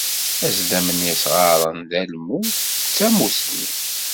Azdam n yisɣaren d almud, d tamussni.